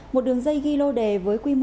một đường dây ghi lô đề với quy mô